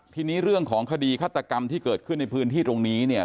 ทีนี้เรื่องของคดีฆาตกรรมที่เกิดขึ้นในพื้นที่ตรงนี้เนี่ย